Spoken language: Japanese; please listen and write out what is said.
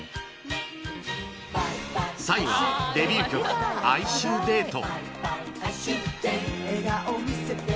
３位はデビュー曲『哀愁でいと』